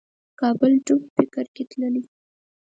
کابل ډوب فکر کې تللی